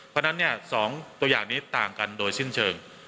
เพราะฉะนั้น๒ตัวอย่างนี้ต่างกันโดยสิ้นเชิง